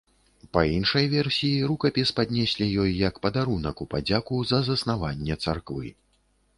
Па іншай версіі, рукапіс паднеслі ёй як падарунак у падзяку за заснаванне царквы.